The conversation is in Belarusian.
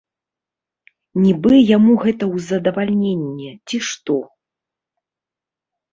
Нібы яму гэта ў задавальненне, ці што.